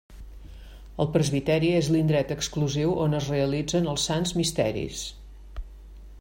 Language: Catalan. El presbiteri és l'indret exclusiu on es realitzen els sants misteris.